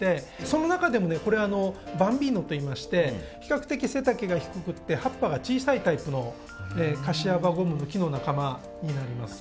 その中でもねこれあの「バンビーノ」といいまして比較的背丈が低くて葉っぱが小さいタイプのカシワバゴムノキの仲間になります。